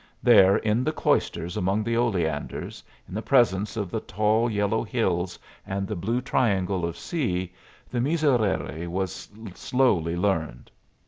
There, in the cloisters among the oleanders, in the presence of the tall yellow hills and the blue triangle of sea, the "Miserere" was slowly learned.